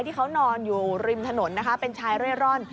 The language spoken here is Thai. ที่เขานอนอยู่ริมถนนนะคะเป็นชายเร่ร่อน